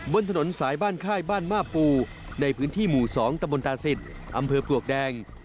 บนถนนสายบ้านค่ายบ้านมาปูในพื้นที่หมู่๒ตะบนตาศิษย์อำเภอปลวกแดง